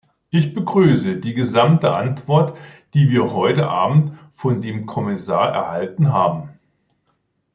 Ich begrüße die gesamte Antwort, die wir heute abend von dem Kommissar erhalten haben.